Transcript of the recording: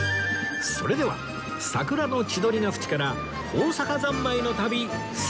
それでは桜の千鳥ヶ淵から大阪三昧の旅スタート